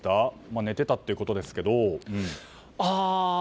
寝ていたということですけども。